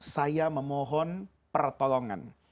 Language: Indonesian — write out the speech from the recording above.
saya memohon pertolongan